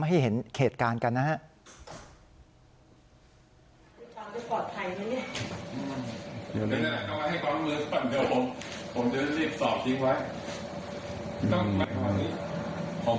ให้เห็นเหตุการณ์กันนะครับ